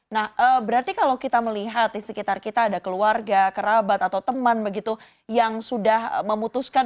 nah berarti kalau kita melihat di sekitar kita ada keluarga kerabat atau teman begitu yang sudah memutuskan